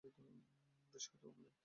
বেশ, হয়তো কোনোদিন।